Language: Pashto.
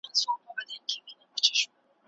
که د نورو د نظریاتو سره عادلانه چلند وسي.